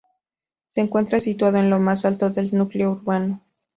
Se encuentra situada en lo más alto del núcleo urbano.